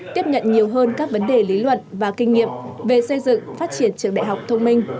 tiếp nhận nhiều hơn các vấn đề lý luận và kinh nghiệm về xây dựng phát triển trường đại học thông minh